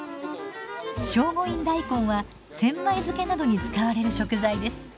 聖護院大根は千枚漬などに使われる食材です。